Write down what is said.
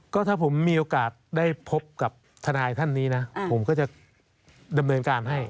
ก็ถ้าผมมีโอกาสได้พบกับทนายท่านนี้นะผมก็จะดำเนินการให้